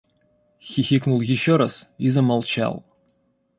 Хихикнул еще раз — и замолчал.